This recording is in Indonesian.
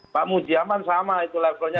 pak mujiyaman sama levelnya